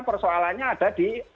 persoalannya ada di